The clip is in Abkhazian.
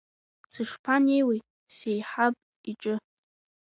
Сышԥанеиуеи сеиҳаб иҿы?